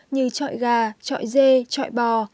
như trọi gà trọi dê trọi bò